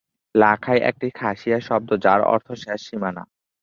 লাখাই একটি খাসিয়া শব্দ যার অর্থ শেষ সীমানা।